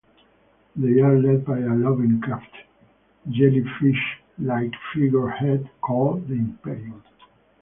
They are led by a Lovecraftian, jellyfish-like figurehead called The Imperium.